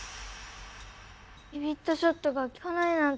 ビビッとショットが効かないなんて。